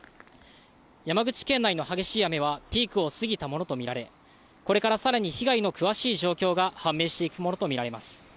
山口県内の激しい雨はピークを過ぎたものと見られ、これからさらに被害の詳しい状況が判明していくものと見られます。